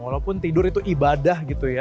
walaupun tidur itu ibadah gitu ya